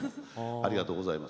ありがとうございます。